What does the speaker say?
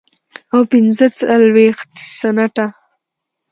او پنځه څلوېښت سنټه